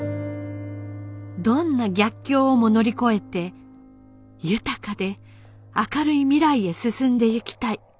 「どんな逆境をも乗り越えて豊かで明るい未来へ進んでゆきたい」